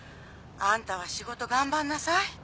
あんたは仕事頑張んなさい。